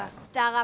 dara pacar kamu